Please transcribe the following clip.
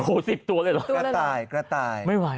ศูสิบตัวเลยหรอไม่ไหว